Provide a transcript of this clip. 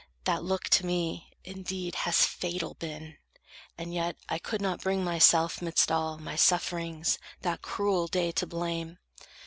That look to me, indeed, has fatal been: And yet, I could not bring myself, midst all My sufferings, that cruel day to blame.